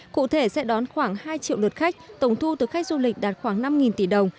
cụ thể sẽ đón khoảng hai triệu lượt khách tổng thu từ khách du lịch đạt khoảng năm tỷ đồng